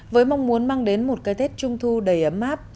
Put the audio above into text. với mong muốn mang đến một cái tết trung thu đầy ấm áp